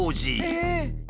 えっ？